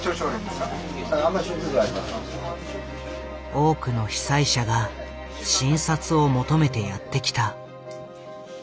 多くの被災者が診察を求めてやって来た。